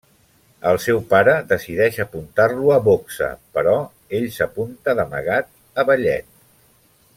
El seu pare decideix apuntar-lo a boxa, però ell s'apunta d’amagat a ballet.